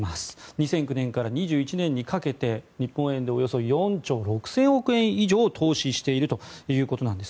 ２００９年から２１年にかけて日本円でおよそ４兆６０００億円以上を投資しているということです。